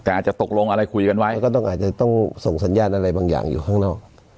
แต่อาจจะตกลงอะไรคุยกันไว้ก็ต้องอาจจะต้องส่งสัญญาณอะไรบางอย่างอยู่ข้างนอก